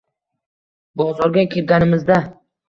Bozorga kirganimizda